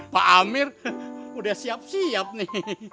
pak amir udah siap siap nih